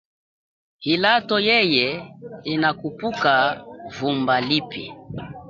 Ilato yeye inakhupuka vumba lipi.